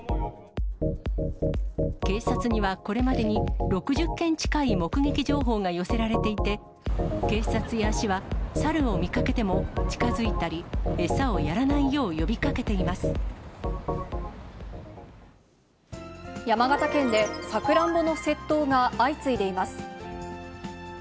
警察には、これまでに６０件近い目撃情報が寄せられていて、警察や市は、猿を見かけても、近づいたり、餌をやらないよう呼びかけていま山形県で、サクランボの窃盗が相次いでいます。